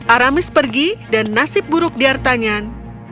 aramis pergi dan nasib buruk biartanyan